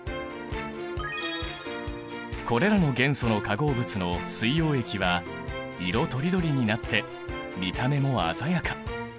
これらの元素の化合物の水溶液は色とりどりになって見た目も鮮やか。